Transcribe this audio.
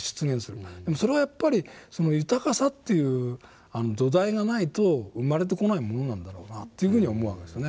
それはやっぱり豊かさという土台がないと生まれてこないものなんだろうなというふうには思うわけですよね。